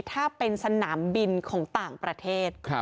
ถ้าเป็นสนามบินของต่างประเทศ